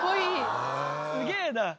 ・すげぇな！